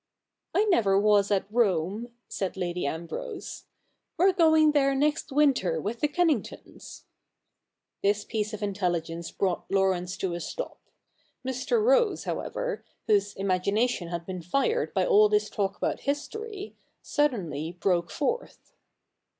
' I never was at Rome,' said Eady Ambrose. ' We're going there next winter with the Kenningtons.' This piece of intelligence brought Laurence to a stop. Mr. Rose, however, whose imagination had been fired by all this talk about history, suddenly broke forth.